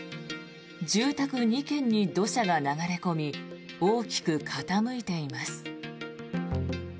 住宅２軒に土砂が流れ込み大きく傾いています。